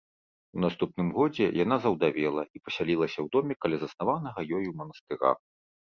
У наступным годзе яна заўдавела і пасялілася ў доме каля заснаванага ёю манастыра.